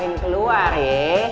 yang keluar ye